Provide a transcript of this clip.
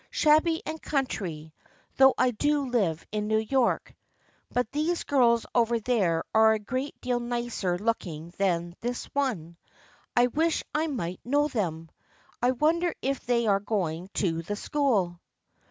" Shabby and country, though I do live in New York. But those girls over there are a great deal nicer looking than this one. I wish I might know them. I wonder if they are going to the school.